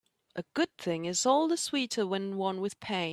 A good thing is all the sweeter when won with pain.